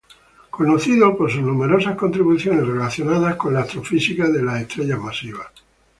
Profesionalmente, es conocida por sus numerosas contribuciones relacionadas a la astrofísica de estrellas masivas.